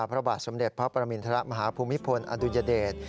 พระบาทสมเด็จพระปรมินทรมาฮภูมิพลอดุญเดช